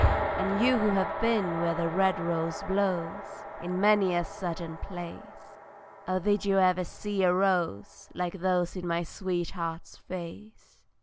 And you who have been where the red rose blows In many a Southern place, Oh did you ever see a rose Like those in my sweetheart's face?